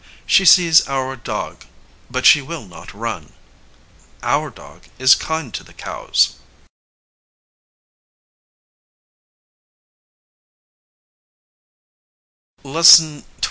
She sees our dog, but she will not run. Our dog is kind to the cows LESSON XXIV.